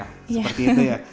seperti itu ya